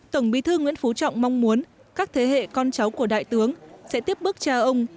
tổng bí thư nguyễn phú trọng mong muốn các thế hệ con cháu của đại tướng sẽ tiếp bước cha ông